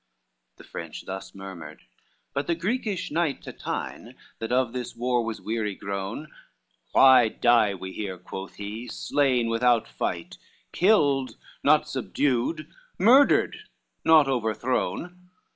LXVIII The French thus murmured, but the Greekish knight Tatine, that of this war was weary grown: "Why die we here," quoth he, "slain without fight, Killed, not subdued, murdered, not overthrown?